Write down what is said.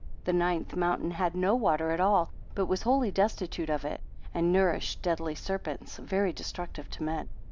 The ninth mountain had no water at all, but was wholly destitute of it; and nourished deadly serpents, very destructive to men.